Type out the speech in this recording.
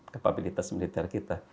kepabilitas militer kita